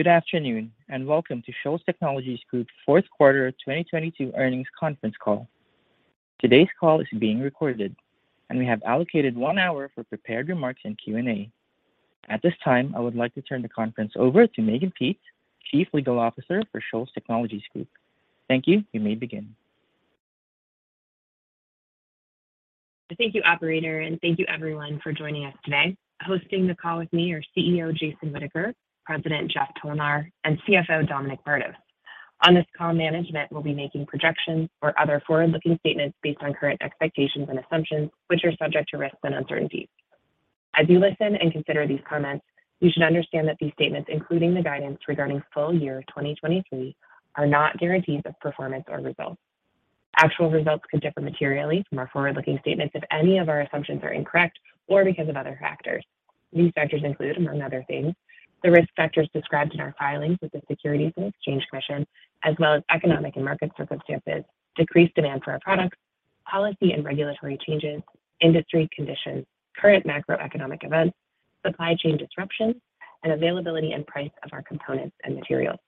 Good afternoon, and welcome to Shoals Technologies Group fourth quarter 2022 earnings conference call. Today's call is being recorded, and we have allocated one hour for prepared remarks and Q&A. At this time, I would like to turn the conference over to Mehgan Peetz, Chief Legal Officer for Shoals Technologies Group. Thank you. You may begin. Thank you, operator, and thank you everyone for joining us today. Hosting the call with me are CEO, Jason Whitaker, President, Jeff Tolnar, and CFO, Dominic Bardos. On this call, management will be making projections or other forward-looking statements based on current expectations and assumptions, which are subject to risks and uncertainties. As you listen and consider these comments, you should understand that these statements, including the guidance regarding full year 2023, are not guarantees of performance or results. Actual results could differ materially from our forward-looking statements if any of our assumptions are incorrect or because of other factors. These factors include, among other things, the risk factors described in our filings with the Securities and Exchange Commission, as well as economic and market circumstances, decreased demand for our products, policy and regulatory changes, industry conditions, current macroeconomic events, supply chain disruptions, and availability and price of our components and materials.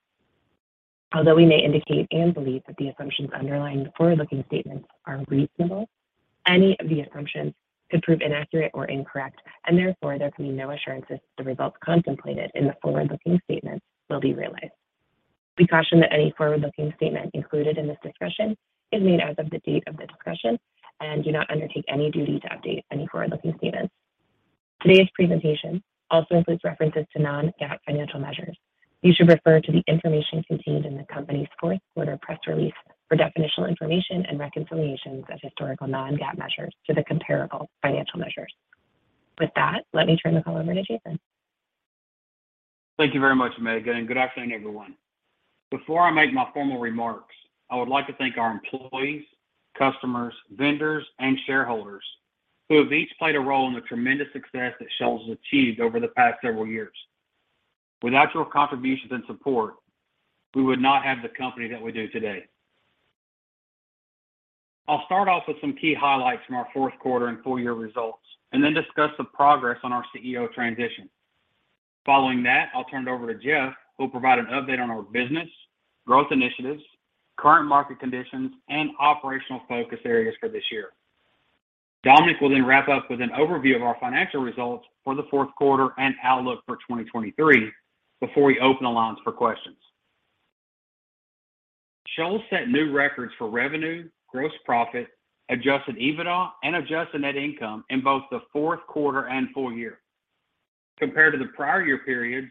Although we may indicate and believe that the assumptions underlying the forward-looking statements are reasonable, any of the assumptions could prove inaccurate or incorrect, and therefore, there can be no assurances the results contemplated in the forward-looking statements will be realized. We caution that any forward-looking statement included in this discussion is made as of the date of the discussion and do not undertake any duty to update any forward-looking statements. Today's presentation also includes references to non-GAAP financial measures. You should refer to the information contained in the company's fourth quarter press release for definitional information and reconciliations of historical non-GAAP measures to the comparable financial measures. Let me turn the call over to Jason. Thank you very much, Mehgan, and good afternoon, everyone. Before I make my formal remarks, I would like to thank our employees, customers, vendors, and shareholders who have each played a role in the tremendous success that Shoals has achieved over the past several years. Without your contributions and support, we would not have the company that we do today. I'll start off with some key highlights from our fourth quarter and full year results and then discuss the progress on our CEO transition. Following that, I'll turn it over to Jeff, who'll provide an update on our business, growth initiatives, current market conditions, and operational focus areas for this year. Dominic will wrap up with an overview of our financial results for the fourth quarter and outlook for 2023 before we open the lines for questions. Shoals set new records for revenue, gross profit, Adjusted EBITDA, and adjusted net income in both the fourth quarter and full year. Compared to the prior year periods,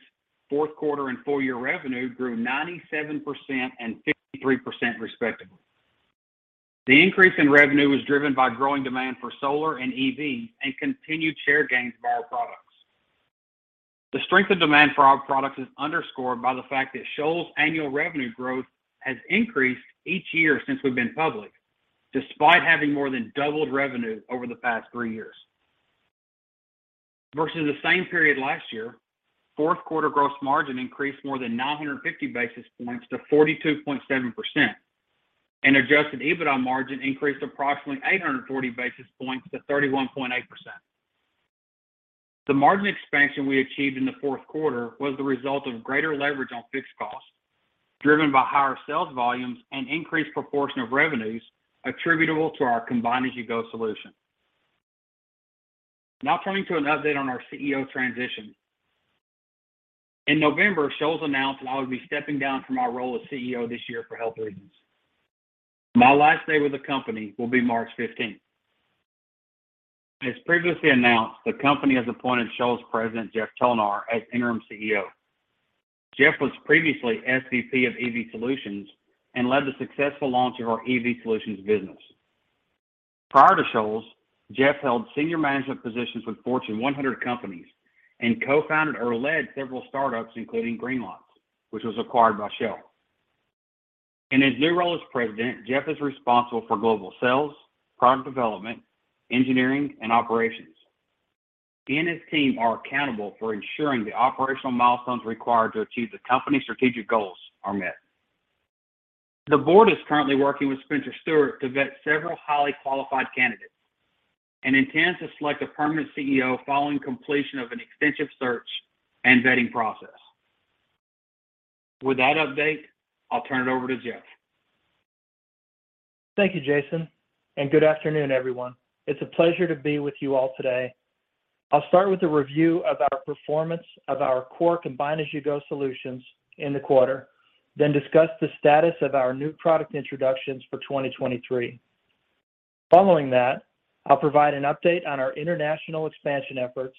fourth quarter and full year revenue grew 97% and 53%, respectively. The increase in revenue was driven by growing demand for solar and EV and continued share gains of our products. The strength of demand for our products is underscored by the fact that Shoals' annual revenue growth has increased each year since we've been public, despite having more than doubled revenue over the past three years. Versus the same period last year, fourth quarter gross margin increased more than 950 basis points to 42.7%, and Adjusted EBITDA margin increased approximately 840 basis points to 31.8%. The margin expansion we achieved in the fourth quarter was the result of greater leverage on fixed costs, driven by higher sales volumes and increased proportion of revenues attributable to our combine-as-you-go solution. Turning to an update on our CEO transition. In November, Shoals announced that I would be stepping down from my role as CEO this year for health reasons. My last day with the company will be March 15th. As previously announced, the company has appointed Shoals President, Jeff Tolnar, as interim CEO. Jeff was previously SVP of EV Solutions and led the successful launch of our EV Solutions business. Prior to Shoals, Jeff held senior management positions with Fortune 100 companies and co-founded or led several startups, including Greenlots, which was acquired by Shell. In his new role as President, Jeff is responsible for global sales, product development, engineering, and operations. He and his team are accountable for ensuring the operational milestones required to achieve the company's strategic goals are met. The board is currently working with Spencer Stuart to vet several highly qualified candidates and intends to select a permanent CEO following completion of an extensive search and vetting process. With that update, I'll turn it over to Jeff. Thank you, Jason, and good afternoon, everyone. It's a pleasure to be with you all today. I'll start with a review of our performance of our core combine-as-you-go solutions in the quarter, then discuss the status of our new product introductions for 2023. Following that, I'll provide an update on our international expansion efforts,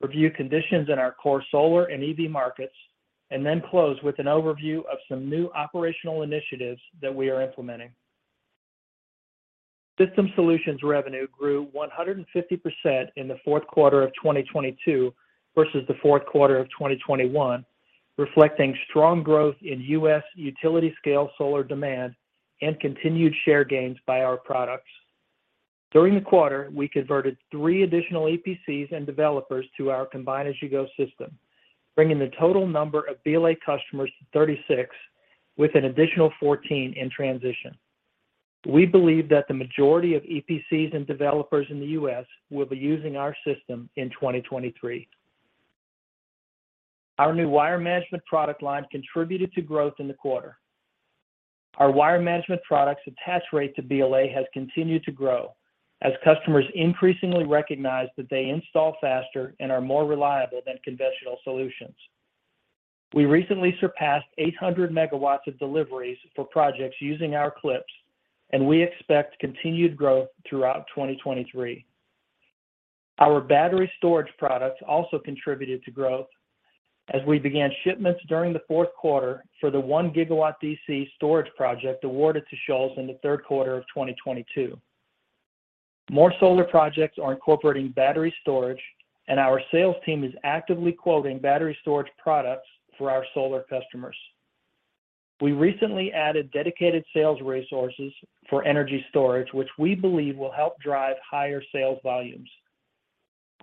review conditions in our core solar and EV markets, and then close with an overview of some new operational initiatives that we are implementing. System Solutions revenue grew 150% in the fourth quarter of 2022 versus the fourth quarter of 2021, reflecting strong growth in U.S. utility scale solar demand and continued share gains by our products. During the quarter, we converted three additional EPCs and developers to our combine-as-you-go system, bringing the total number of BLA customers to 36, with an additional 14 in transition. We believe that the majority of EPCs and developers in the U.S. will be using our system in 2023. Our new wire management product line contributed to growth in the quarter. Our wire management products attach rate to BLA has continued to grow as customers increasingly recognize that they install faster and are more reliable than conventional solutions. We recently surpassed 800 megawatts of deliveries for projects using our clips, and we expect continued growth throughout 2023. Our battery storage products also contributed to growth as we began shipments during the fourth quarter for the 1 GW DC storage project awarded to Shoals in the third quarter of 2022. More solar projects are incorporating battery storage, and our sales team is actively quoting battery storage products for our solar customers. We recently added dedicated sales resources for energy storage, which we believe will help drive higher sales volumes.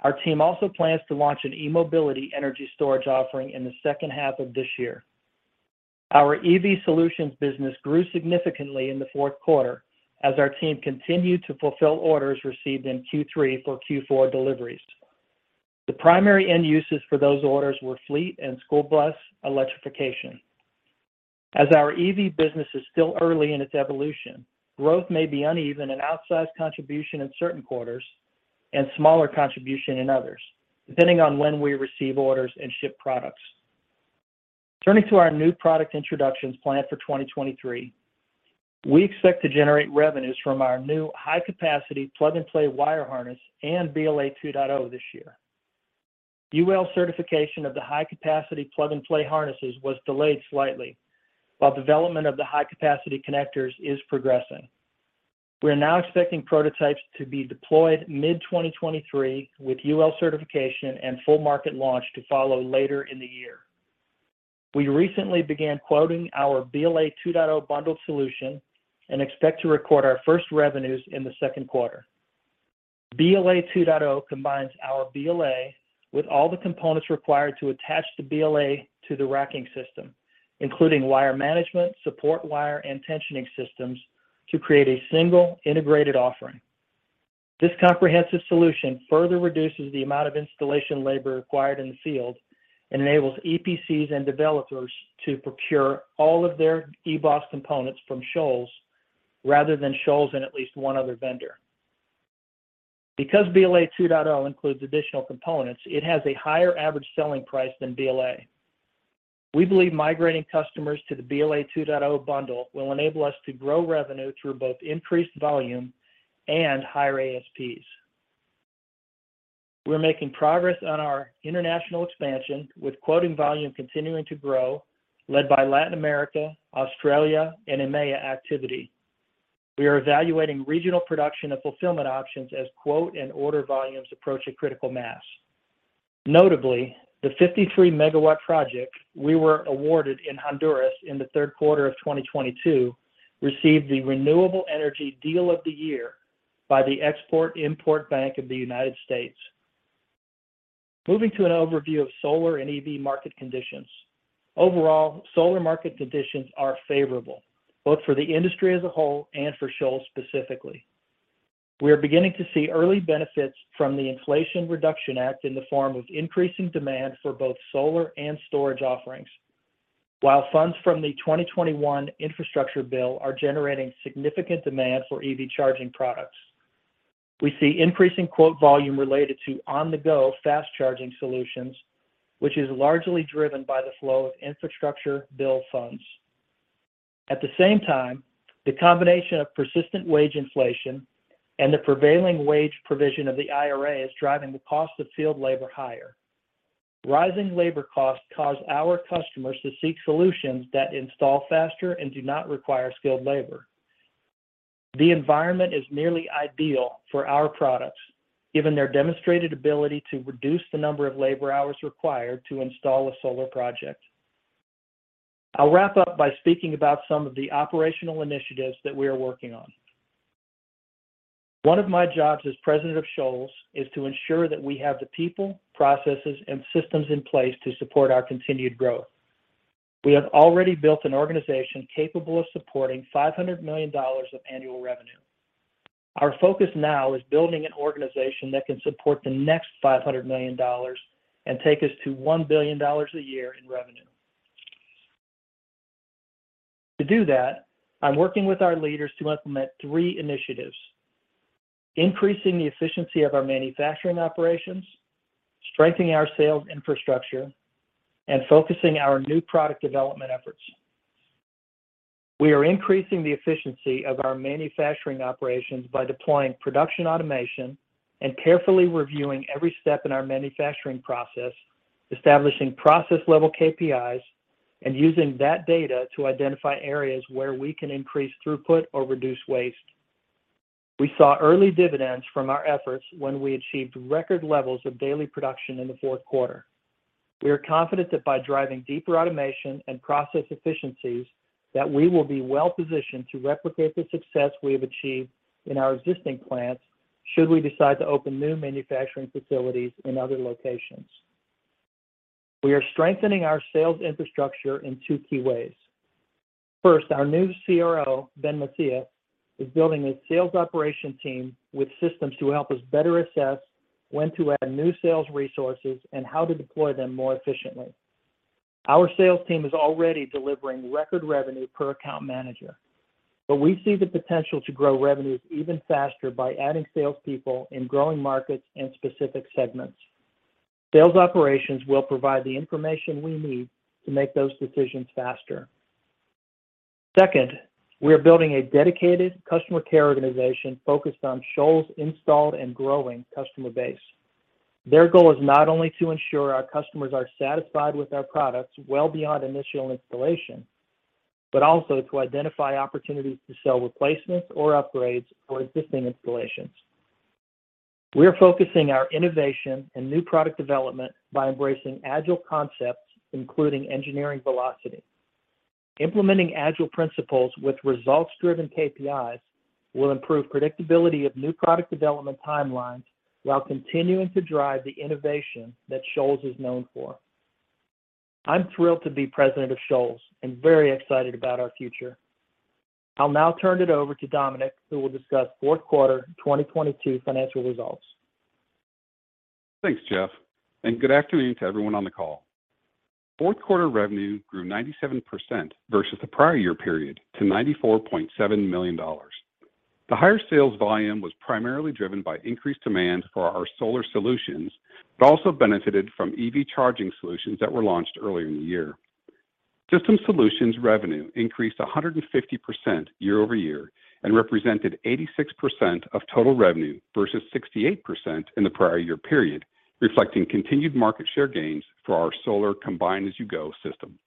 Our team also plans to launch an e-mobility energy storage offering in the second half of this year. Our EV Solutions business grew significantly in the fourth quarter as our team continued to fulfill orders received in Q3 for Q4 deliveries. The primary end uses for those orders were fleet and school bus electrification. As our EV business is still early in its evolution, growth may be uneven and outsize contribution in certain quarters and smaller contribution in others, depending on when we receive orders and ship products. Turning to our new product introductions planned for 2023, we expect to generate revenues from our new high-capacity plug-and-play wire harness and BLA 2.0 this year. UL certification of the high-capacity plug-and-play harnesses was delayed slightly, while development of the high-capacity connectors is progressing. We are now expecting prototypes to be deployed mid-2023, with UL certification and full market launch to follow later in the year. We recently began quoting our BLA 2.0 bundled solution and expect to record our first revenues in the second quarter. BLA 2.0 combines our BLA with all the components required to attach the BLA to the racking system, including wire management, support wire, and tensioning systems to create a single integrated offering. This comprehensive solution further reduces the amount of installation labor required in the field and enables EPCs and developers to procure all of their EBOS components from Shoals rather than Shoals and at least one other vendor. Because BLA 2.0 includes additional components, it has a higher average selling price than BLA. We believe migrating customers to the BLA 2.0 bundle will enable us to grow revenue through both increased volume and higher ASPs. We're making progress on our international expansion, with quoting volume continuing to grow, led by Latin America, Australia, and EMEA activity. We are evaluating regional production and fulfillment options as quote and order volumes approach a critical mass. Notably, the 53 MW project we were awarded in Honduras in the third quarter of 2022 received the Renewable Energy Deal of the Year by the Export-Import Bank of the United States. Moving to an overview of solar and EV market conditions. Overall, solar market conditions are favorable, both for the industry as a whole and for Shoals specifically. We are beginning to see early benefits from the Inflation Reduction Act in the form of increasing demand for both solar and storage offerings. While funds from the 2021 infrastructure bill are generating significant demand for EV Charging products, we see increasing quote volume related to on-the-go fast charging solutions, which is largely driven by the flow of infrastructure bill funds. At the same time, the combination of persistent wage inflation and the prevailing wage provision of the IRA is driving the cost of field labor higher. Rising labor costs cause our customers to seek solutions that install faster and do not require skilled labor. The environment is nearly ideal for our products, given their demonstrated ability to reduce the number of labor hours required to install a solar project. I'll wrap up by speaking about some of the operational initiatives that we are working on. One of my jobs as president of Shoals is to ensure that we have the people, processes, and systems in place to support our continued growth. We have already built an organization capable of supporting $500 million of annual revenue. Our focus now is building an organization that can support the next $500 million and take us to $1 billion a year in revenue. To do that, I'm working with our leaders to implement three initiatives, increasing the efficiency of our manufacturing operations, strengthening our sales infrastructure, and focusing our new product development efforts. We are increasing the efficiency of our manufacturing operations by deploying production automation and carefully reviewing every step in our manufacturing process, establishing process-level KPIs, and using that data to identify areas where we can increase throughput or reduce waste. We saw early dividends from our efforts when we achieved record levels of daily production in the fourth quarter. We are confident that by driving deeper automation and process efficiencies, that we will be well-positioned to replicate the success we have achieved in our existing plants should we decide to open new manufacturing facilities in other locations. We are strengthening our sales infrastructure in two key ways. First, our new CRO, Ben Macias, is building a sales operation team with systems to help us better assess when to add new sales resources and how to deploy them more efficiently. Our sales team is already delivering record revenue per account manager. We see the potential to grow revenues even faster by adding salespeople in growing markets and specific segments. Sales operations will provide the information we need to make those decisions faster. Second, we are building a dedicated customer care organization focused on Shoals' installed and growing customer base. Their goal is not only to ensure our customers are satisfied with our products well beyond initial installation, but also to identify opportunities to sell replacements or upgrades for existing installations. We are focusing our innovation and new product development by embracing Agile concepts, including engineering velocity. Implementing Agile principles with results-driven KPIs will improve predictability of new product development timelines while continuing to drive the innovation that Shoals is known for. I'm thrilled to be president of Shoals and very excited about our future. I'll now turn it over to Dominic, who will discuss fourth quarter 2022 financial results. Thanks, Jeff, and good afternoon to everyone on the call. Fourth quarter revenue grew 97% versus the prior year period to $94.7 million. The higher sales volume was primarily driven by increased demand for our solar solutions, but also benefited from EV Charging solutions that were launched earlier in the year. System Solutions revenue increased 150% year-over-year and represented 86% of total revenue versus 68% in the prior year period, reflecting continued market share gains for our solar combine-as-you-go system.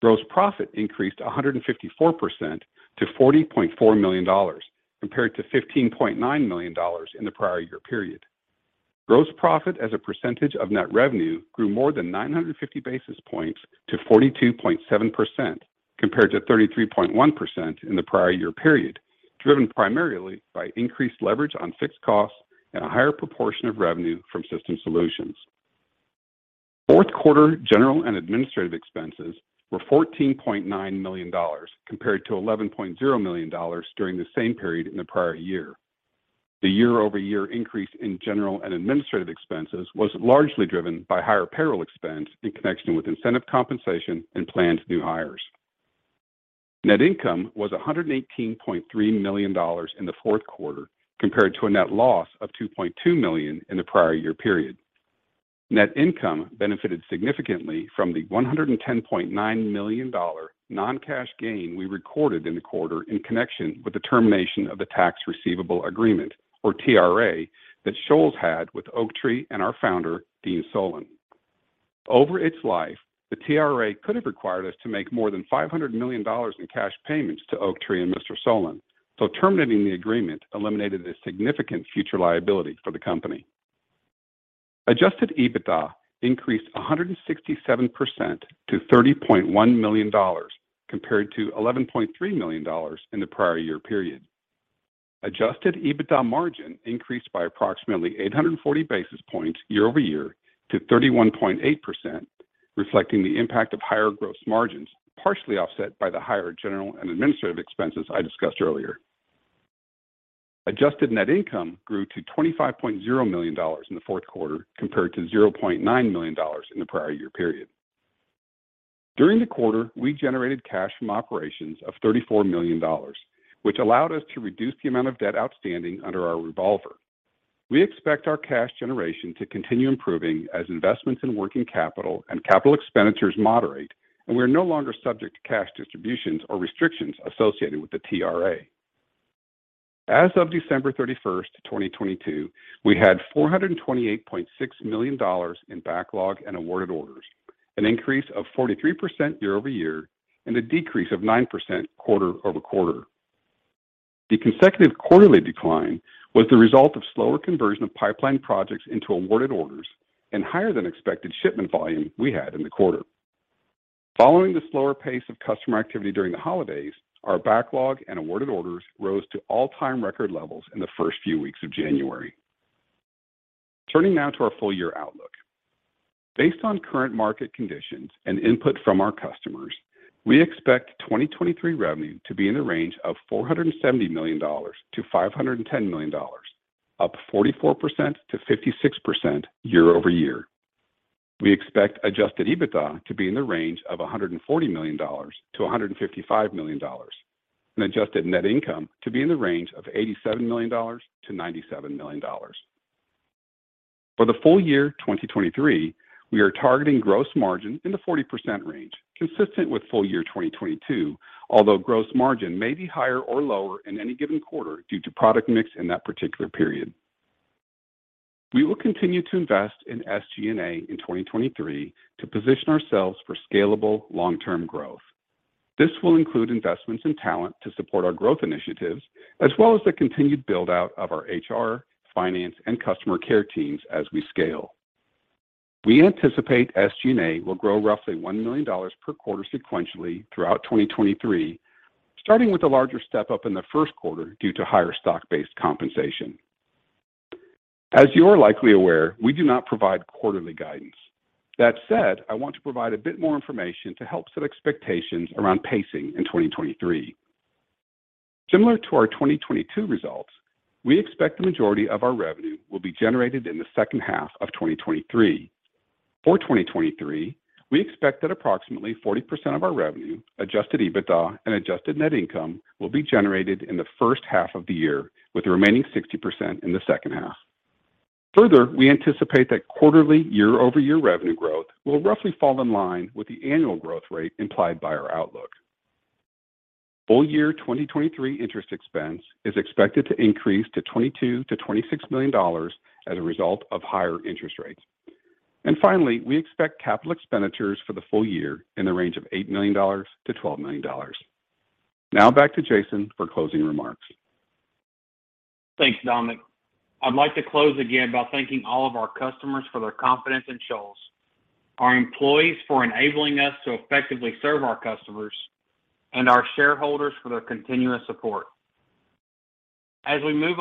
Gross profit increased 154% to $40.4 million compared to $15.9 million in the prior year period. Gross profit as a percentage of net revenue grew more than 950 basis points to 42.7% compared to 33.1% in the prior year period, driven primarily by increased leverage on fixed costs and a higher proportion of revenue from System Solutions. Fourth quarter general and administrative expenses were $14.9 million compared to $11.0 million during the same period in the prior year. The year-over-year increase in general and administrative expenses was largely driven by higher payroll expense in connection with incentive compensation and planned new hires. Net income was $118.3 million in the fourth quarter compared to a net loss of $2.2 million in the prior year period. Net income benefited significantly from the $110.9 million non-cash gain we recorded in the quarter in connection with the termination of the tax receivable agreement or TRA that Shoals had with Oaktree and our founder, Dean Solon. Over its life, the TRA could have required us to make more than $500 million in cash payments to Oaktree and Mr. Solon, terminating the agreement eliminated a significant future liability for the company. Adjusted EBITDA increased 167% to $30.1 million compared to $11.3 million in the prior year period. Adjusted EBITDA margin increased by approximately 840 basis points year-over-year to 31.8%, reflecting the impact of higher gross margins, partially offset by the higher general and administrative expenses I discussed earlier. Adjusted net income grew to $25.0 million in the fourth quarter compared to $0.9 million in the prior year period. During the quarter, we generated cash from operations of $34 million, which allowed us to reduce the amount of debt outstanding under our revolver. We expect our cash generation to continue improving as investments in working capital and capital expenditures moderate. We are no longer subject to cash distributions or restrictions associated with the TRA. As of December 31st, 2022, we had $428.6 million in backlog and awarded orders, an increase of 43% year-over-year and a decrease of 9% quarter-over-quarter. The consecutive quarterly decline was the result of slower conversion of pipeline projects into awarded orders and higher than expected shipment volume we had in the quarter. Following the slower pace of customer activity during the holidays, our backlog and awarded orders rose to all-time record levels in the first few weeks of January. Turning now to our full year outlook. Based on current market conditions and input from our customers, we expect 2023 revenue to be in the range of $470 million-$510 million, up 44%-56% year-over-year. We expect Adjusted EBITDA to be in the range of $140 million-$155 million, and adjusted net income to be in the range of $87 million-$97 million. For the full year 2023, we are targeting gross margin in the 40% range, consistent with full year 2022, although gross margin may be higher or lower in any given quarter due to product mix in that particular period. We will continue to invest in SG&A in 2023 to position ourselves for scalable long-term growth. This will include investments in talent to support our growth initiatives, as well as the continued build-out of our HR, finance, and customer care teams as we scale. We anticipate SG&A will grow roughly $1 million per quarter sequentially throughout 2023, starting with a larger step-up in the first quarter due to higher stock-based compensation. As you're likely aware, we do not provide quarterly guidance. That said, I want to provide a bit more information to help set expectations around pacing in 2023. Similar to our 2022 results, we expect the majority of our revenue will be generated in the second half of 2023. For 2023, we expect that approximately 40% of our revenue, Adjusted EBITDA, and adjusted net income will be generated in the first half of the year, with the remaining 60% in the second half. Further, we anticipate that quarterly year-over-year revenue growth will roughly fall in line with the annual growth rate implied by our outlook. Full year 2023 interest expense is expected to increase to $22 million-$26 million as a result of higher interest rates. Finally, we expect capital expenditures for the full year in the range of $8 million-$12 million. Now back to Jason for closing remarks. Thanks, Dominic. I'd like to close again by thanking all of our customers for their confidence in Shoals, our employees for enabling us to effectively serve our customers, and our shareholders for their continuous support. Furthermore,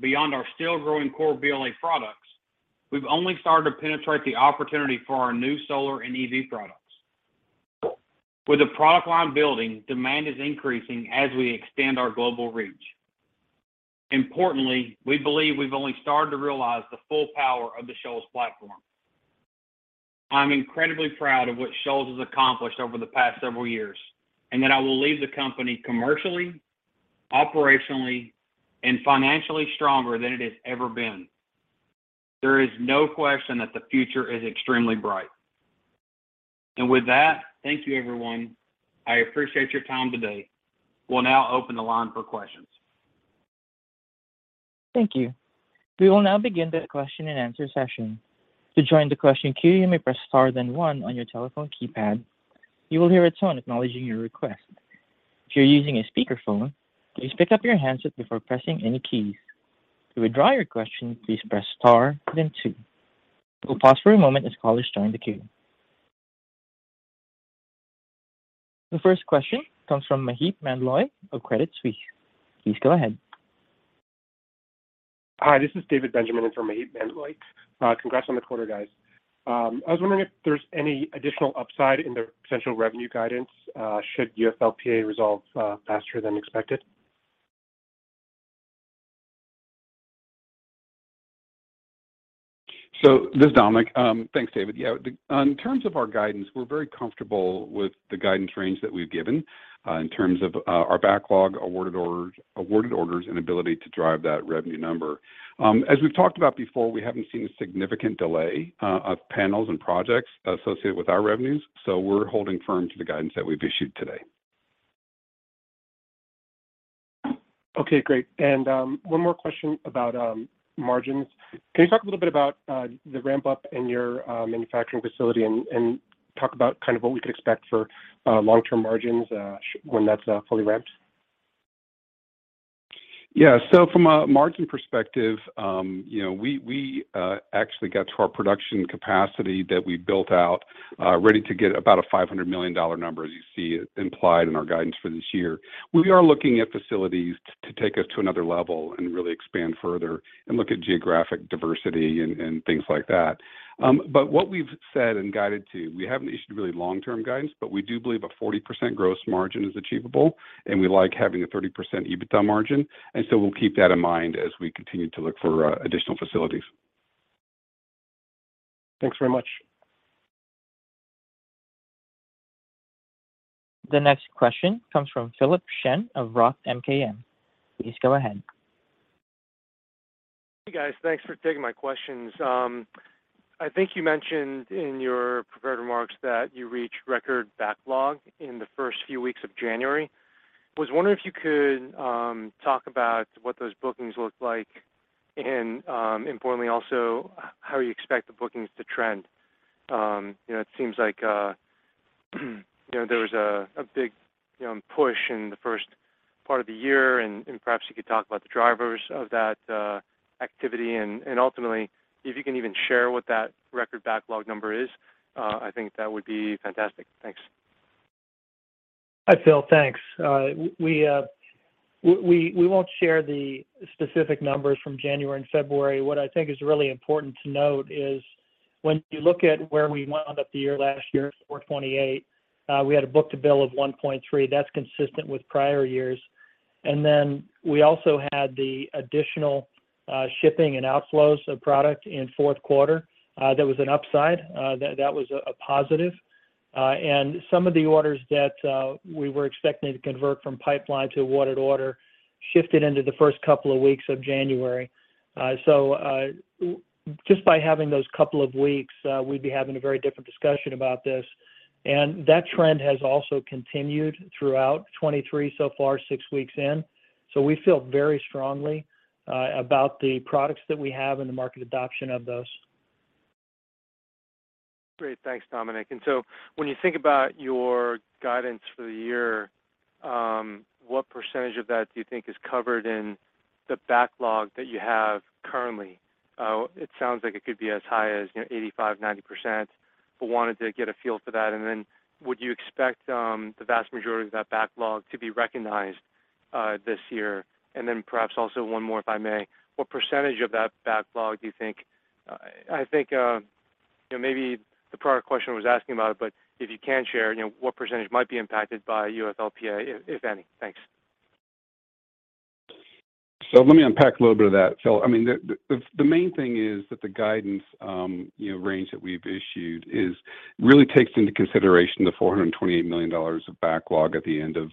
beyond our still growing core BLA products, we've only started to penetrate the opportunity for our new solar and EV products. With the product line building, demand is increasing as we expand our global reach. Importantly, we believe we've only started to realize the full power of the Shoals platform. I'm incredibly proud of what Shoals has accomplished over the past several years, and that I will leave the company commercially, operationally, and financially stronger than it has ever been. There is no question that the future is extremely bright. With that, thank you, everyone. I appreciate your time today. We'll now open the line for questions. Thank you. We will now begin the question-and-answer session. To join the question queue, you may press star then one on your telephone keypad. You will hear a tone acknowledging your request. If you're using a speakerphone, please pick up your handset before pressing any keys. To withdraw your question, please press star then two. We'll pause for a moment as callers join the queue. The first question comes from Maheep Mandloi of Credit Suisse. Please go ahead. Hi, this is David Benjamin in for Maheep Mandloi. Congrats on the quarter, guys. I was wondering if there's any additional upside in the potential revenue guidance, should UFLPA resolve faster than expected? This is Dominic. Thanks, David. Yeah, in terms of our guidance, we're very comfortable with the guidance range that we've given, in terms of our backlog, awarded orders, and ability to drive that revenue number. As we've talked about before, we haven't seen a significant delay, of panels and projects associated with our revenues, we're holding firm to the guidance that we've issued today. Okay, great. One more question about margins. Can you talk a little bit about the ramp-up in your manufacturing facility and talk about kind of what we could expect for long-term margins when that's fully ramped? Yeah. From a margin perspective, you know, we actually got to our production capacity that we built out, ready to get about a $500 million number, as you see implied in our guidance for this year. We are looking at facilities to take us to another level and really expand further and look at geographic diversity and things like that. What we've said and guided to, we haven't issued really long-term guidance, but we do believe a 40% gross margin is achievable, and we like having a 30% EBITDA margin. We'll keep that in mind as we continue to look for additional facilities. Thanks very much. The next question comes from Philip Shen of Roth MKM. Please go ahead. Hey, guys. Thanks for taking my questions. I think you mentioned in your prepared remarks that you reached record backlog in the first few weeks of January. Was wondering if you could talk about what those bookings looked like and importantly also, how you expect the bookings to trend? You know, it seems like, you know, there was a big, you know, push in the first part of the year and perhaps you could talk about the drivers of that activity? Ultimately, if you can even share what that record backlog number is? I think that would be fantastic. Thanks. Hi, Philip. Thanks. We won't share the specific numbers from January and February. What I think is really important to note is when you look at where we wound up the year last year, $428 million, we had a book to bill of 1.3. That's consistent with prior years. We also had the additional shipping and outflows of product in fourth quarter. That was an upside. That was a positive. Some of the orders that we were expecting to convert from pipeline to awarded order shifted into the first couple of weeks of January. Just by having those couple of weeks, we'd be having a very different discussion about this. That trend has also continued throughout 2023 so far, six weeks in. We feel very strongly about the products that we have and the market adoption of those. Great, thanks. Dominic, when you think about your guidance for the year, what percentage of that do you think is covered in the backlog that you have currently? It sounds like it could be as high as, you know, 85%-90%. I wanted to get a feel for that. Would you expect the vast majority of that backlog to be recognized this year? Perhaps also one more, if I may. What percentage of that backlog do you think, you know, maybe the prior question was asking about it, but if you can share, you know, what percentage might be impacted by UFLPA, if any? Thanks. Let me unpack a little bit of that, Philip. I mean, the main thing is that the guidance, you know, range that we've issued is really takes into consideration the $428 million of backlog at the end of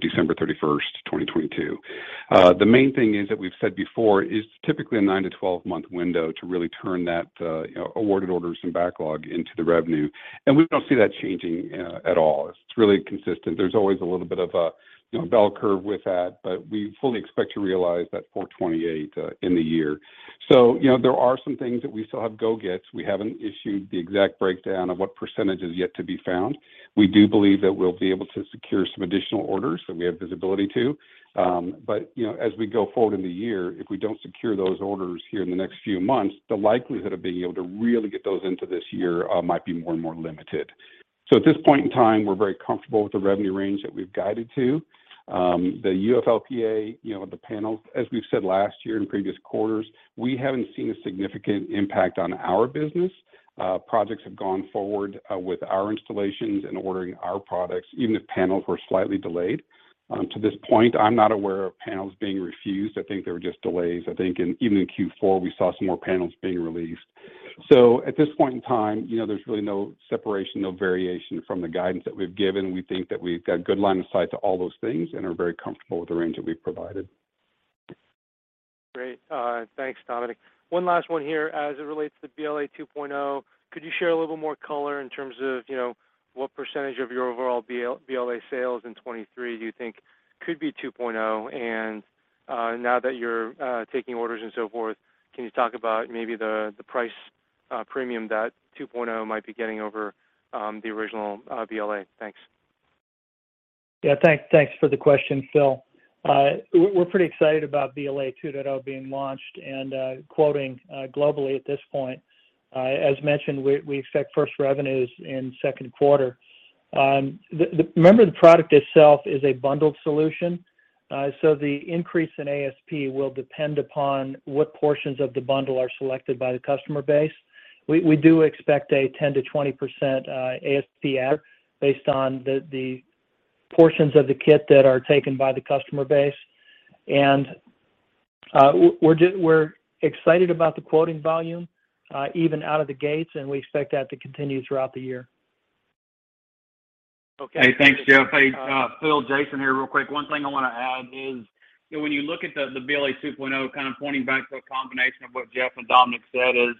December 31st, 2022. The main thing is that we've said before, is typically a nine-to-12-month window to really turn that, you know, awarded orders and backlog into the revenue. We don't see that changing at all. It's really consistent. There's always a little bit of a, you know, bell curve with that, but we fully expect to realize that $428 million in the year. You know, there are some things that we still have go gets. We haven't issued the exact breakdown of what percentage is yet to be found. We do believe that we'll be able to secure some additional orders that we have visibility to. you know, as we go forward in the year, if we don't secure those orders here in the next few months, the likelihood of being able to really get those into this year, might be more and more limited. At this point in time, we're very comfortable with the revenue range that we've guided to. The UFLPA, you know, the panels, as we've said last year in previous quarters, we haven't seen a significant impact on our business. Projects have gone forward, with our installations and ordering our products, even if panels were slightly delayed. To this point, I'm not aware of panels being refused. I think they were just delays. I think in, even in Q4, we saw some more panels being released. At this point in time, you know, there's really no separation, no variation from the guidance that we've given. We think that we've got good line of sight to all those things and are very comfortable with the range that we've provided. Great. Thanks, Dominic. One last one here. As it relates to BLA 2.0, could you share a little more color in terms of, you know, what percentage of your overall BLA sales in 2023 do you think could be BLA 2.0? Now that you're taking orders and so forth, can you talk about maybe the price premium that BLA 2.0 might be getting over the original BLA? Thanks. Yeah. Thanks for the question, Philip. We're pretty excited about BLA 2.0 being launched and quoting globally at this point. As mentioned, we expect first revenues in second quarter. Remember the product itself is a bundled solution, the increase in ASP will depend upon what portions of the bundle are selected by the customer base. We do expect a 10%-20% ASP add based on the portions of the kit that are taken by the customer base. We're excited about the quoting volume even out of the gates, and we expect that to continue throughout the year. Okay. Hey, thanks, Jeff. Hey, Philip, Jason here. Real quick, one thing I wanna add is, you know, when you look at the BLA 2.0 kind of pointing back to a combination of what Jeff and Dominic said is,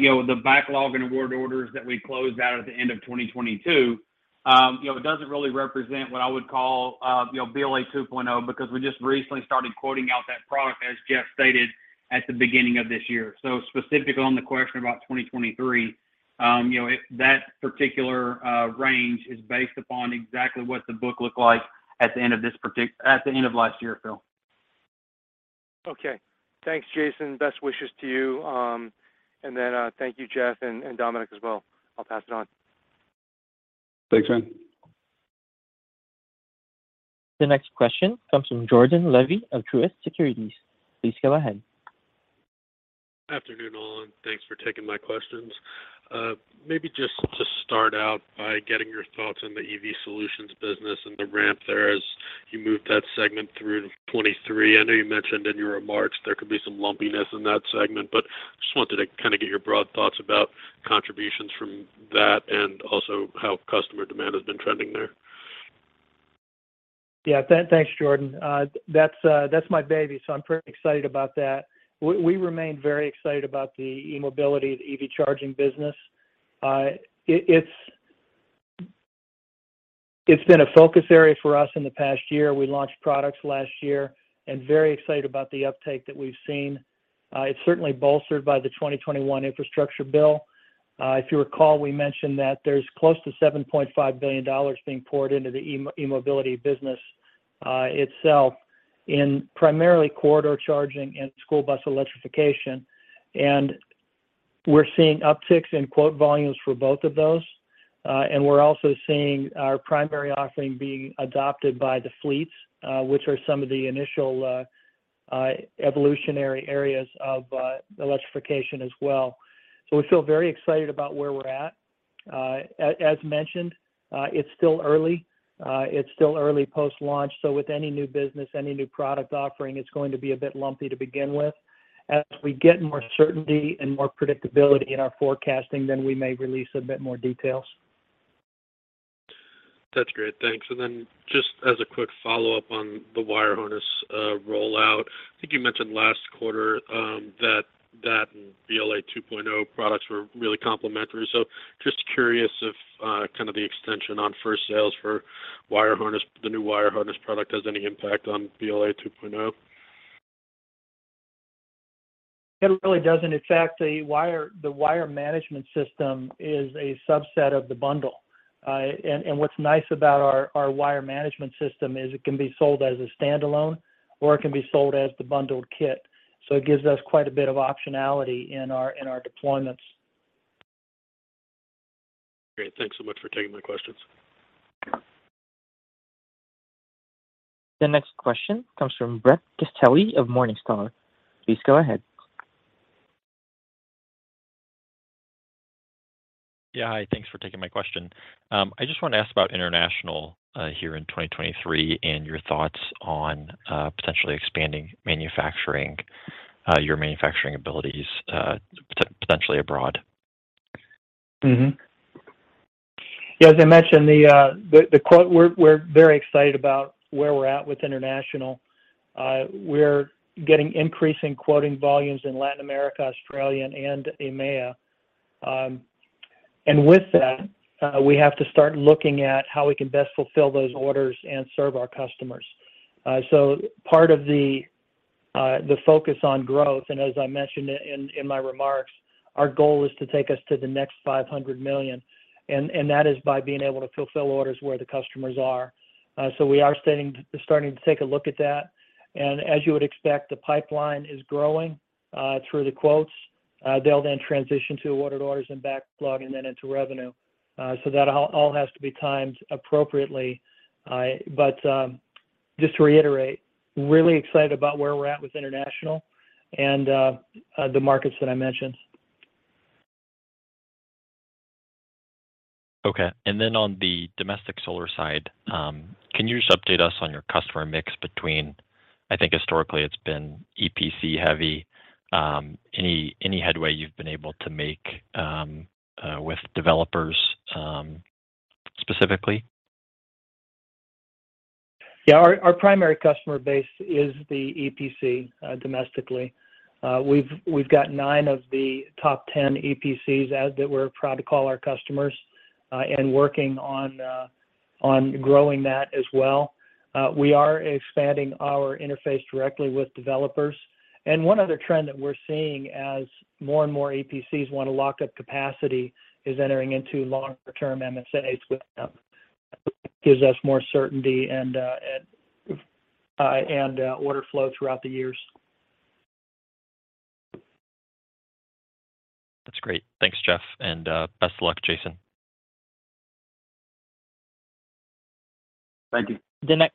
you know, the backlog and award orders that we closed out at the end of 2022, you know, it doesn't really represent what I would call, you know, BLA 2.0, because we just recently started quoting out that product, as Jeff stated, at the beginning of this year. Specifically on the question about 2023, you know, that particular range is based upon exactly what the book looked like at the end of this at the end of last year, Philip. Okay. Thanks, Jason. Best wishes to you. Thank you, Jeff and Dominic as well. I'll pass it on. Thanks man. The next question comes from Jordan Levy of Truist Securities. Please go ahead. Afternoon, all, thanks for taking my questions. Maybe just to start out by getting your thoughts on the EV Solutions business and the ramp there as you move that segment through to 2023. I know you mentioned in your remarks there could be some lumpiness in that segment, but just wanted to kinda get your broad thoughts about contributions from that and also how customer demand has been trending there. Yeah. Thanks, Jordan. That's my baby, I'm pretty excited about that. We remain very excited about the e-mobility, the EV Charging business. It's been a focus area for us in the past year. We launched products last year and very excited about the uptake that we've seen. It's certainly bolstered by the 2021 infrastructure bill. If you recall, we mentioned that there's close to $7.5 billion being poured into the e-mobility business itself in primarily corridor charging and school bus electrification. We're seeing upticks in quote volumes for both of those, we're also seeing our primary offering being adopted by the fleets, which are some of the initial evolutionary areas of electrification as well. We feel very excited about where we're at. As mentioned, it's still early. It's still early post-launch. With any new business, any new product offering, it's going to be a bit lumpy to begin with. As we get more certainty and more predictability in our forecasting, we may release a bit more details. That's great. Thanks. Just as a quick follow-up on the wire harness, rollout. I think you mentioned last quarter, that that and BLA 2.0 products were really complementary. Just curious if, kind of the extension on first sales for wire harness, the new wire harness product has any impact on BLA 2.0? It really doesn't affect the wire, the wire management system is a subset of the bundle. And what's nice about our wire management system is it can be sold as a standalone or it can be sold as the bundled kit. It gives us quite a bit of optionality in our, in our deployments. Great. Thanks so much for taking my questions. The next question comes from Brett Castelli of Morningstar. Please go ahead. Yeah. Hi, thanks for taking my question. I just want to ask about international here in 2023 and your thoughts on potentially expanding manufacturing, your manufacturing abilities, potentially abroad. As I mentioned, the quote, we're very excited about where we're at with international. We're getting increasing quoting volumes in Latin America, Australian, and EMEA. With that, we have to start looking at how we can best fulfill those orders and serve our customers. Part of the focus on growth, and as I mentioned in my remarks, our goal is to take us to the next $500 million, and that is by being able to fulfill orders where the customers are. We are starting to take a look at that. As you would expect, the pipeline is growing through the quotes. They'll then transition to awarded orders and backlog and then into revenue. That all has to be timed appropriately. Just to reiterate, really excited about where we're at with international and the markets that I mentioned. Okay. On the domestic solar side, can you just update us on your customer mix between, I think historically it's been EPC heavy, any headway you've been able to make with developers, specifically? Yeah. Our primary customer base is the EPC domestically. We've got nine of the top 10 EPCs that we're proud to call our customers, and working on growing that as well. We are expanding our interface directly with developers. One other trend that we're seeing as more and more EPCs want to lock up capacity is entering into longer term MSAs with them. Gives us more certainty and order flow throughout the years. That's great. Thanks, Jeff, and best of luck, Jason. Thank you. The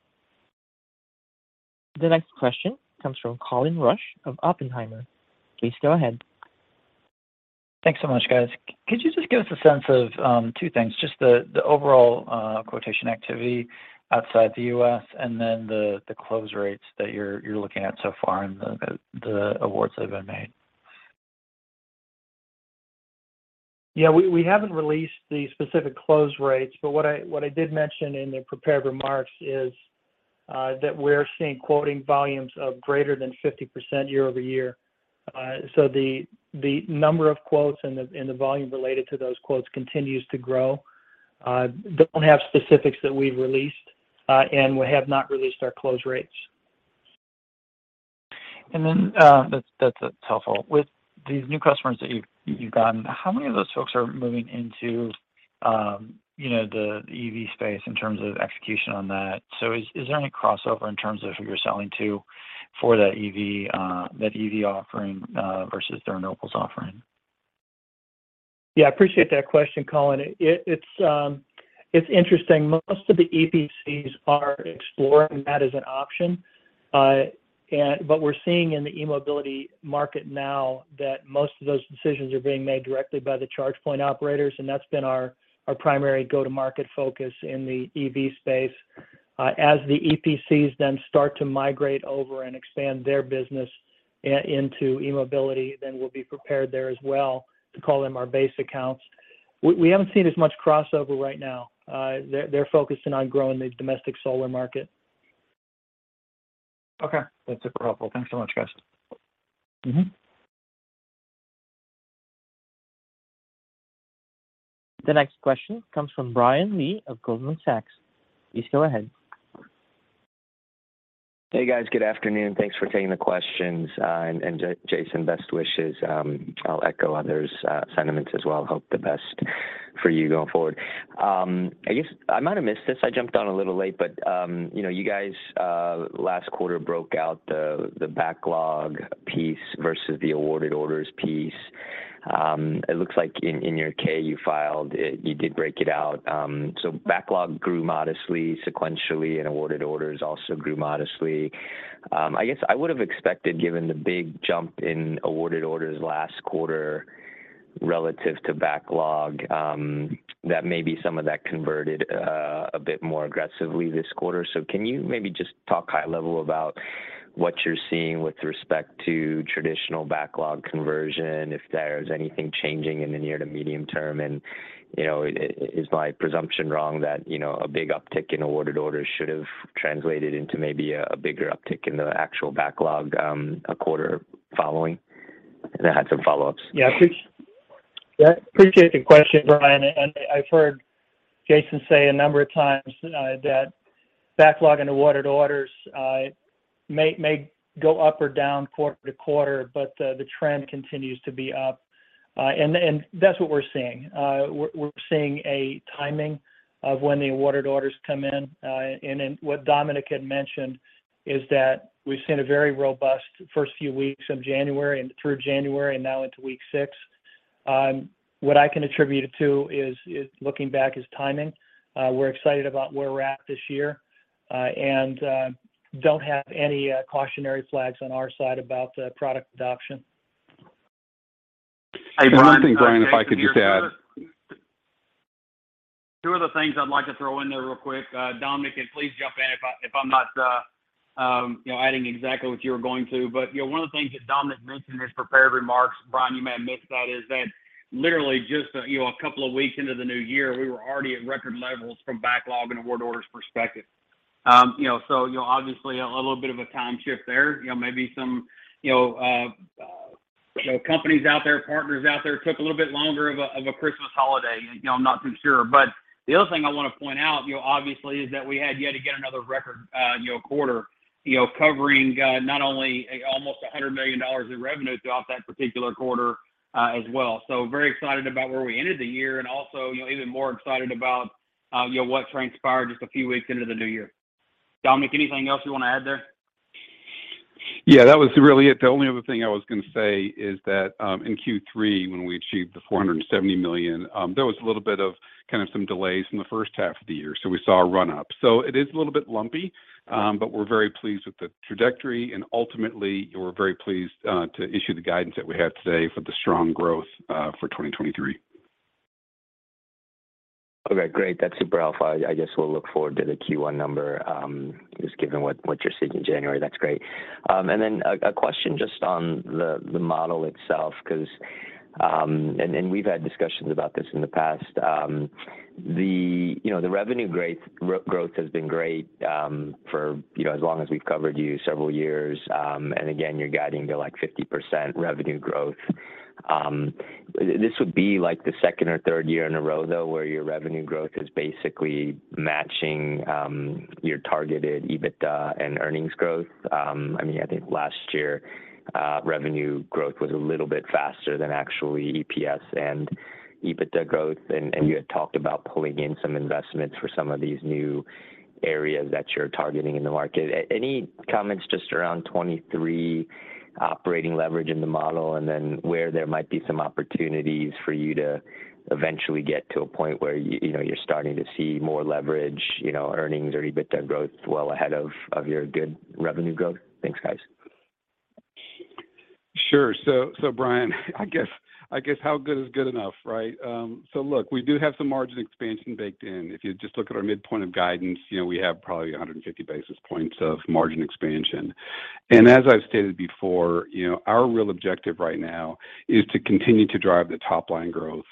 next question comes from Colin Rusch of Oppenheimer. Please go ahead. Thanks so much, guys. Could you just give us a sense of two things, just the overall quotation activity outside the U.S. and then the close rates that you're looking at so far and the awards that have been made? Yeah, we haven't released the specific close rates, but what I did mention in the prepared remarks is that we're seeing quoting volumes of greater than 50% year-over-year. The number of quotes and the volume related to those quotes continues to grow. Don't have specifics that we've released, and we have not released our close rates. Then, that's helpful. With these new customers that you've gotten, how many of those folks are moving into, you know, the EV space in terms of execution on that? Is there any crossover in terms of who you're selling to for that EV, that EV offering versus the renewables offering? I appreciate that question, Colin. It's interesting. Most of the EPCs are exploring that as an option. But we're seeing in the e-mobility market now that most of those decisions are being made directly by the Charge Point Operators, and that's been our primary go-to-market focus in the EV space. As the EPCs start to migrate over and expand their business into e-mobility, we'll be prepared there as well to call them our base accounts. We haven't seen as much crossover right now. They're focusing on growing the domestic solar market. That's super helpful. Thanks so much, guys. Mm-hmm. The next question comes from Brian Lee of Goldman Sachs. Please go ahead. Hey, guys. Good afternoon. Thanks for taking the questions. Jason, best wishes. I'll echo others' sentiments as well. Hope the best for you going forward. I guess I might have missed this. I jumped on a little late, but, you know, you guys last quarter broke out the backlog piece versus the awarded orders piece. It looks like in your Form 10-K you filed, you did break it out. Backlog grew modestly, sequentially, and awarded orders also grew modestly. I guess I would have expected, given the big jump in awarded orders last quarter relative to backlog, that maybe some of that converted a bit more aggressively this quarter. Can you maybe just talk high level about what you're seeing with respect to traditional backlog conversion, if there's anything changing in the near to medium term? You know, is my presumption wrong that, you know, a big uptick in awarded orders should have translated into maybe a bigger uptick in the actual backlog, a quarter following? I had some follow-ups. Yeah. Appreciate the question, Brian. I've heard Jason say a number of times that backlog and awarded orders may go up or down quarter to quarter, but the trend continues to be up. That's what we're seeing. We're seeing a timing of when the awarded orders come in. What Dominic had mentioned is that we've seen a very robust first few weeks of January, and through January, and now into week six. What I can attribute it to is looking back, is timing. We're excited about where we're at this year, don't have any cautionary flags on our side about the product adoption. Hey, Brian. One thing, Brian, if I could just add- Two other things I'd like to throw in there real quick. Dominic, and please jump in if I'm not, you know, adding exactly what you were going to. You know, one of the things that Dominic mentioned in his prepared remarks, Brian, you may have missed that, is that literally just, you know, a couple of weeks into the new year, we were already at record levels from backlog and award orders perspective. You know, obviously a little bit of a time shift there. You know, maybe some, you know, companies out there, partners out there took a little bit longer of a Christmas holiday. You know, I'm not too sure. The other thing I wanna point out, you know, obviously is that we had yet again another record, you know, quarter, you know, covering, not only almost $100 million in revenue throughout that particular quarter as well. Very excited about where we ended the year and also, you know, even more excited about, you know, what's transpired just a few weeks into the new year. Dominic, anything else you wanna add there? Yeah, that was really it. The only other thing I was gonna say is that, in Q3 when we achieved the $470 million, there was a little bit of kind of some delays in the first half of the year, so we saw a run-up. It is a little bit lumpy, but we're very pleased with the trajectory. Ultimately we're very pleased to issue the guidance that we have today for the strong growth for 2023. Okay. Great. That's super helpful. I guess we'll look forward to the Q1 number, just given what you're seeing in January. That's great. Then a question just on the model itself 'cause and we've had discussions about this in the past. The, you know, the revenue growth has been great, for, you know, as long as we've covered you, several years. Again, you're guiding to, like, 50% revenue growth. This would be, like, the second or third year in a row, though, where your revenue growth is basically matching, your targeted EBITDA and earnings growth. I mean, I think last year, revenue growth was a little bit faster than actually EPS and EBITDA growth. You had talked about pulling in some investments for some of these new areas that you're targeting in the market. Any comments just around 2023 operating leverage in the model and then where there might be some opportunities for you to eventually get to a point where you know, you're starting to see more leverage, you know, earnings or EBITDA growth well ahead of your good revenue growth? Thanks, guys. Sure. So Brian, I guess how good is good enough, right? Look, we do have some margin expansion baked in. If you just look at our midpoint of guidance, you know, we have probably 150 basis points of margin expansion. As I've stated before, you know, our real objective right now is to continue to drive the top-line growth.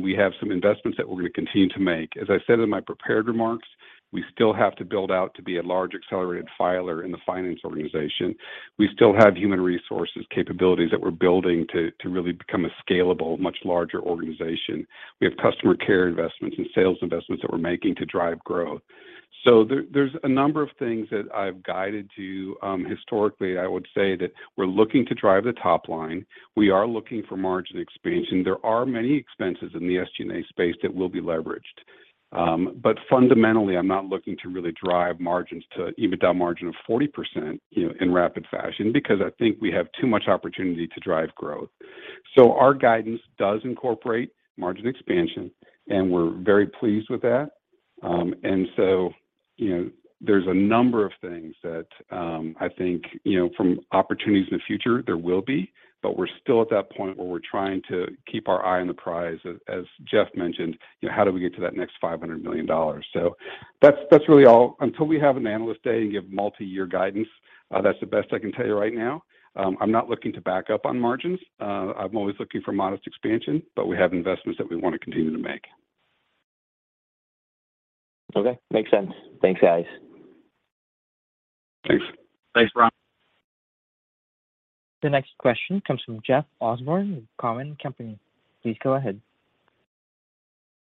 We have some investments that we're gonna continue to make. As I said in my prepared remarks, we still have to build out to be a large accelerated filer in the finance organization. We still have human resources capabilities that we're building to really become a scalable, much larger organization. We have customer care investments and sales investments that we're making to drive growth. There's a number of things that I've guided to. Historically, I would say that we're looking to drive the top line. We are looking for margin expansion. There are many expenses in the SG&A space that will be leveraged. Fundamentally I'm not looking to really drive margins to EBITDA margin of 40%, you know, in rapid fashion because I think we have too much opportunity to drive growth. Our guidance does incorporate margin expansion, and we're very pleased with that. So, you know, there's a number of things that, I think, you know, from opportunities in the future, there will be, but we're still at that point where we're trying to keep our eye on the prize. As Jeff mentioned, you know, how do we get to that next $500 million? That's, that's really all. Until we have an analyst day and give multi-year guidance, that's the best I can tell you right now. I'm not looking to back up on margins. I'm always looking for modest expansion, but we have investments that we want to continue to make. Okay. Makes sense. Thanks, guys. Thanks. Thanks, Brian. The next question comes from Jeffrey Osborne with Cowen. Please go ahead.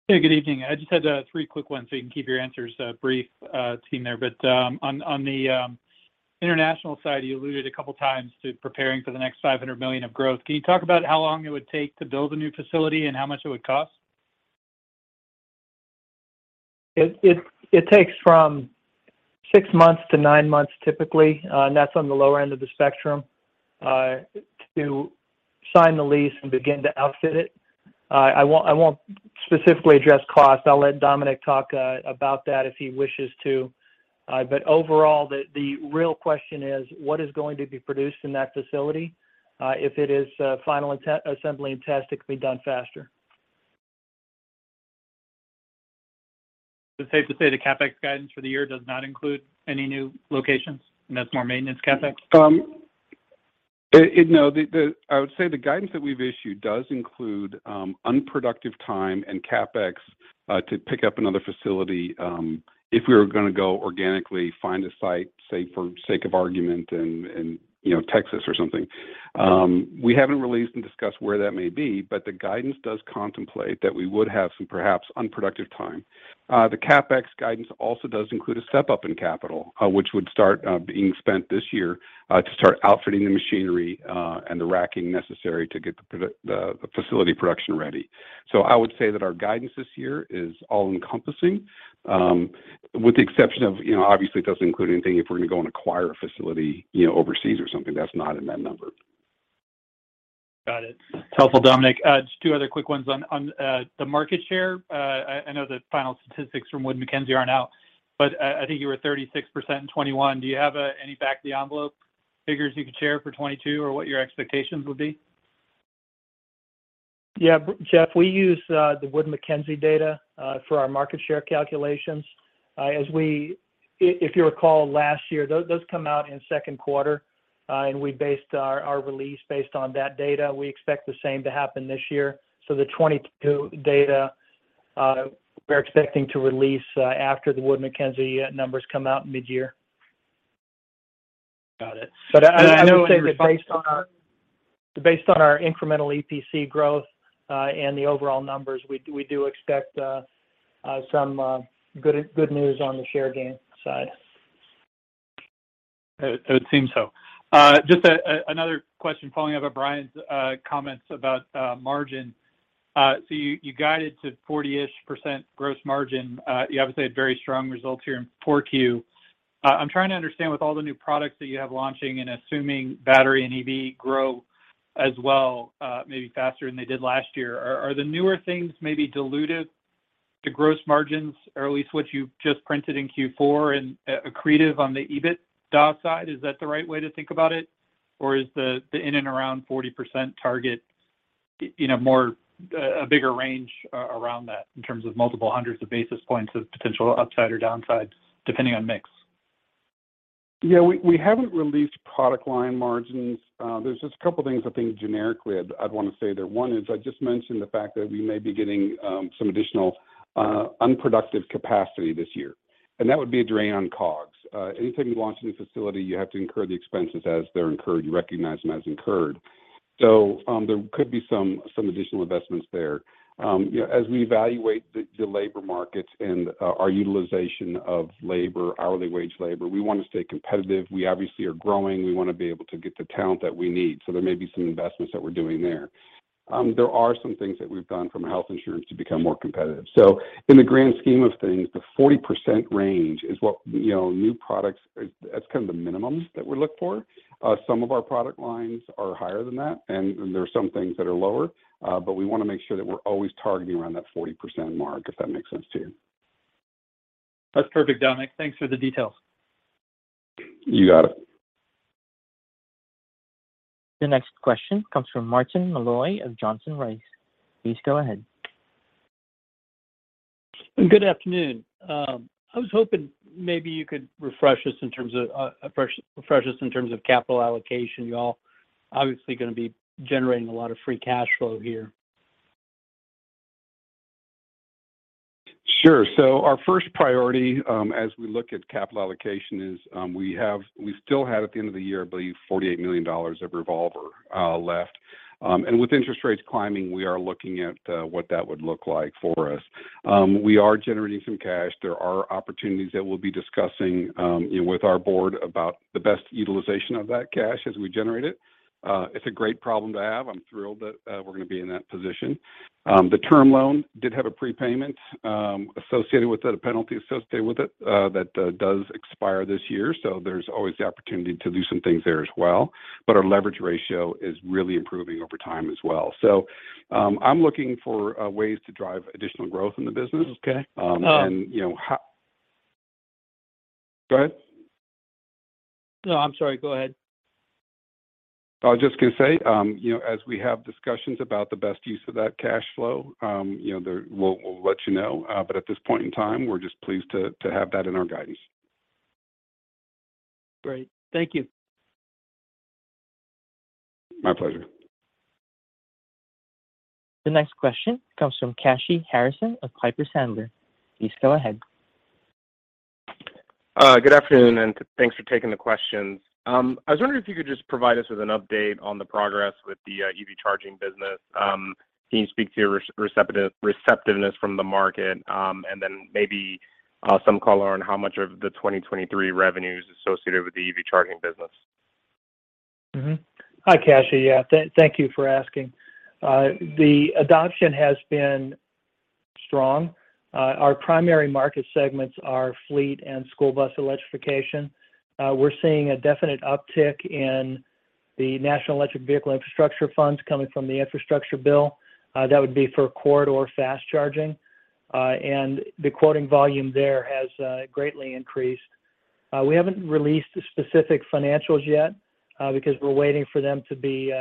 Hey, good evening. I just had three quick ones so you can keep your answers brief, team there. On the international side, you alluded a couple of times to preparing for the next $500 million of growth. Can you talk about how long it would take to build a new facility and how much it would cost? It takes from six months to nine months typically, and that's on the lower end of the spectrum, to sign the lease and begin to outfit it. I won't specifically address cost. I'll let Dominic talk about that if he wishes to. Overall, the real question is what is going to be produced in that facility? If it is, final assembly and test, it can be done faster. Is it safe to say the CapEx guidance for the year does not include any new locations, and that's more maintenance CapEx? you know, I would say the guidance that we've issued does include unproductive time and CapEx to pick up another facility if we were gonna go organically find a site, say for sake of argument in, you know, Texas or something. We haven't released and discussed where that may be, but the guidance does contemplate that we would have some perhaps unproductive time. The CapEx guidance also does include a step-up in capital which would start being spent this year to start outfitting the machinery and the racking necessary to get the facility production ready. I would say that our guidance this year is all-encompassing with the exception of, you know, obviously it doesn't include anything if we're gonna go and acquire a facility, you know, overseas or something. That's not in that number. Got it. Helpful, Dominic. Just two other quick ones. On the market share, I know the final statistics from Wood Mackenzie aren't out, but I think you were at 36% in 2021. Do you have any back of the envelope figures you could share for 2022, or what your expectations would be? Jeff, we use the Wood Mackenzie data for our market share calculations. As you recall last year, those come out in second quarter, and we based our release based on that data. We expect the same to happen this year. The 2022 data, we're expecting to release after the Wood Mackenzie numbers come out midyear. Got it. I know in response-. I would say that based on our incremental EPC growth, and the overall numbers, we do expect some good news on the share gain side. It seems so. Just another question following up on Brian's comments about margin. You guided to 40-ish% gross margin. You obviously had very strong results here in Q4. I'm trying to understand with all the new products that you have launching and assuming battery and EV grow as well, maybe faster than they did last year, are the newer things maybe dilutive to gross margins or at least what you've just printed in Q4 and accretive on the EBITDA side? Is that the right way to think about it? Or is the in and around 40% target, you know, more a bigger range around that in terms of multiple hundreds of basis points of potential upside or downside depending on mix? Yeah, we haven't released product line margins. There's just a couple things I think generically I'd wanna say there. One is I just mentioned the fact that we may be getting some additional unproductive capacity this year, and that would be a drain on COGS. Anytime you launch a new facility, you have to incur the expenses as they're incurred. You recognize them as incurred. There could be some additional investments there. You know, as we evaluate the labor markets and our utilization of labor, hourly wage labor, we wanna stay competitive. We obviously are growing. We wanna be able to get the talent that we need, there may be some investments that we're doing there. There are some things that we've done from a health insurance to become more competitive. In the grand scheme of things, the 40% range is what, you know, new products, that's kind of the minimum that we look for. Some of our product lines are higher than that, and there are some things that are lower, but we wanna make sure that we're always targeting around that 40% mark, if that makes sense to you? That's perfect, Dominic. Thanks for the details. You got it. The next question comes from Martin Malloy of Johnson Rice & Company. Please go ahead. Good afternoon. I was hoping maybe you could refresh us in terms of capital allocation. Y'all obviously gonna be generating a lot of free cash flow here. Sure. Our first priority, as we look at capital allocation is, we still had at the end of the year, I believe, $48 million of revolver left. With interest rates climbing, we are looking at what that would look like for us. We are generating some cash. There are opportunities that we'll be discussing, you know, with our board about the best utilization of that cash as we generate it. It's a great problem to have. I'm thrilled that we're gonna be in that position. The term loan did have a prepayment associated with it, a penalty associated with it, that does expire this year, so there's always the opportunity to do some things there as well. Our leverage ratio is really improving over time as well. I'm looking for ways to drive additional growth in the business- Okay. ...you know, Go ahead. No, I'm sorry. Go ahead. I was just gonna say, you know, as we have discussions about the best use of that cash flow, you know, we'll let you know. At this point in time, we're just pleased to have that in our guidance. Great. Thank you. My pleasure. The next question comes from Kashy Harrison of Piper Sandler. Please go ahead. Good afternoon. Thanks for taking the questions. I was wondering if you could just provide us with an update on the progress with the EV Charging business. Can you speak to your receptiveness from the market, and then maybe some color on how much of the 2023 revenue is associated with the EV Charging business? Hi, Kashy. Yeah. Thank you for asking. The adoption has been strong. Our primary market segments are fleet and school bus electrification. We're seeing a definite uptick in the National Electric Vehicle Infrastructure Funds coming from the infrastructure bill. That would be for corridor fast charging. And the quoting volume there has greatly increased. We haven't released the specific financials yet, because we're waiting for them to be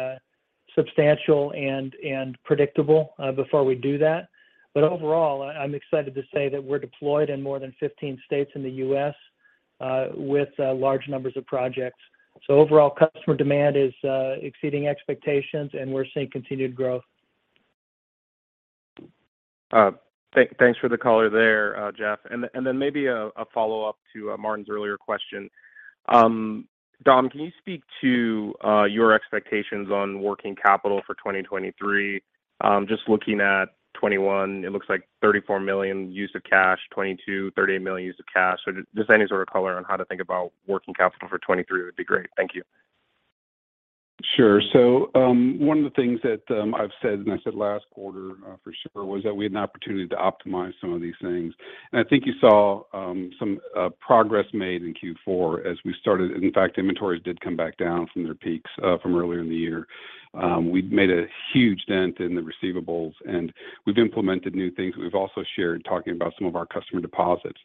substantial and predictable, before we do that. Overall, I'm excited to say that we're deployed in more than 15 states in the U.S., with large numbers of projects. Overall customer demand is exceeding expectations, and we're seeing continued growth. Thanks for the color there, Jeff. Then maybe a follow-up to Martin's earlier question. Dominic, can you speak to your expectations on working capital for 2023? Just looking at 2021, it looks like $34 million use of cash, 2022, $38 million use of cash. Just any sort of color on how to think about working capital for 2023 would be great. Thank you. Sure. One of the things that I've said, and I said last quarter, for sure, was that we had an opportunity to optimize some of these things. I think you saw some progress made in Q4 as we started. In fact, inventories did come back down from their peaks from earlier in the year. We've made a huge dent in the receivables, and we've implemented new things. We've also shared talking about some of our customer deposits.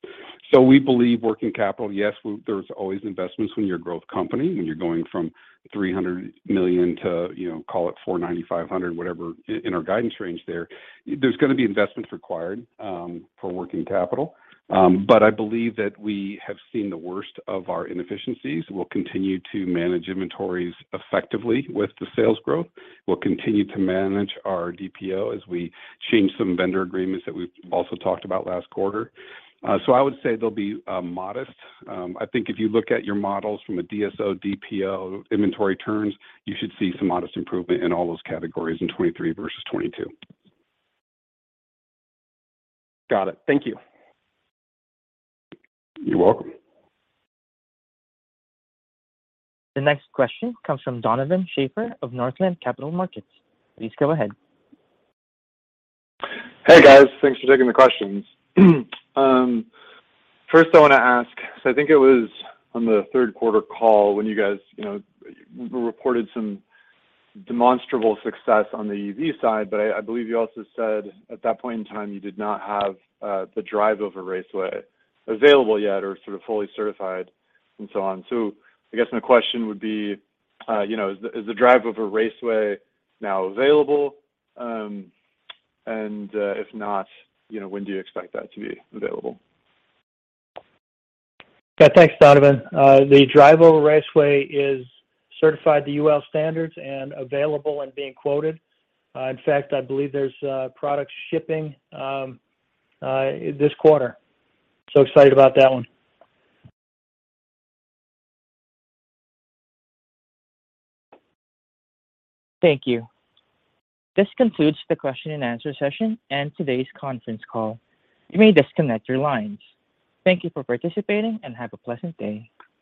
We believe working capital, yes, there's always investments when you're a growth company, when you're going from $300 million to, you know, call it $490 million, $500 million, whatever in our guidance range there. There's gonna be investments required for working capital. I believe that we have seen the worst of our inefficiencies. We'll continue to manage inventories effectively with the sales growth. We'll continue to manage our DPO as we change some vendor agreements that we've also talked about last quarter. I would say they'll be modest. I think if you look at your models from a DSO, DPO inventory turns, you should see some modest improvement in all those categories in 2023 versus 2022. Got it. Thank you. You're welcome. The next question comes from Donovan Schafer of Northland Capital Markets. Please go ahead. Hey, guys. Thanks for taking the questions. First I wanna ask, I think it was on the third quarter call when you guys, you know, reported some demonstrable success on the EV side, but I believe you also said at that point in time, you did not have the drive over raceway available yet or sort of fully certified and so on. I guess my question would be, you know, is the drive over raceway now available? If not, you know, when do you expect that to be available? Yeah. Thanks, Donovan. The drive over raceway is certified to UL standards and available and being quoted. In fact, I believe there's products shipping this quarter. Excited about that one. Thank you. This concludes the question-and-answer session and today's conference call. You may disconnect your lines. Thank you for participating and have a pleasant day.